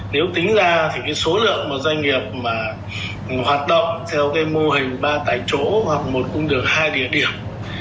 nếu tính ra thì số lượng doanh nghiệp mà hoạt động theo mô hình ba tại chỗ hoặc một cung đường hai địa điểm